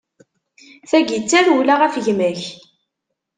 D tagi i tarewla ɣef gma-k.